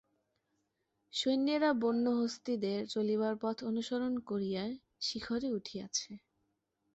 সৈন্যেরা বন্য হস্তীদের চলিবার পথ অনুসরণ করিয়া শিখরে উঠিয়াছে।